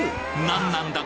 何なんだ